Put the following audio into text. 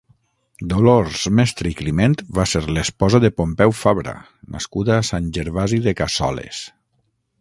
Dolors Mestre i Climent va ser l'esposa de Pompeu Fabra, nascuda a Sant Gervasi de Cassoles.